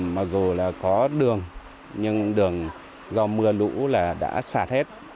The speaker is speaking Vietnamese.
mặc dù là có đường nhưng đường do mưa lũ là đã sạt hết